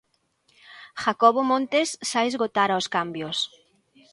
Jacobo Montes xa esgotara os cambios.